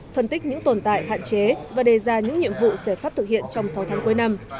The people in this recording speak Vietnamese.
phân tích những tồn tại hạn chế và đề ra những nhiệm vụ giải pháp thực hiện trong sáu tháng cuối năm